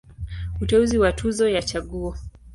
Uteuzi wa Tuzo ya Chaguo.